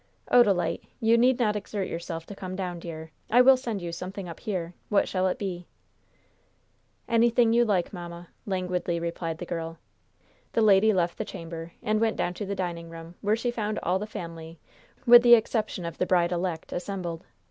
"Odalite, you need not exert yourself to come down, dear. I will send you something up here. What shall it be?" "Anything you like, mamma," languidly replied the girl. The lady left the chamber and went down to the dining room, where she found all the family, with the exception of the bride elect, assembled.